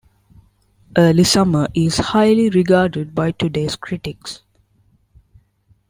"Early Summer" is highly regarded by today's critics.